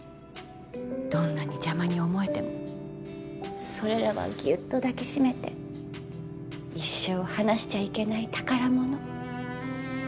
どんなに邪魔に思えてもそれらはギュッと抱き締めて一生離しちゃいけない宝物。